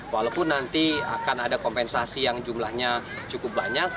walaupun nanti akan ada kompensasi yang jumlahnya cukup banyak